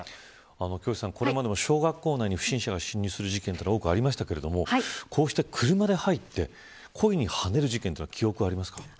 京師さん、これまでも小学校に不審者が侵入する事件はありましたがこうして車が入って、故意にはねる事件、記憶にありますか。